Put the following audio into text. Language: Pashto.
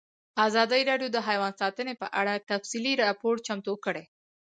ازادي راډیو د حیوان ساتنه په اړه تفصیلي راپور چمتو کړی.